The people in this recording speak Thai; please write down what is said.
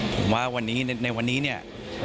ผมว่าในวันนี้เนี่ย